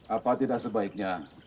apa tidak sebaiknya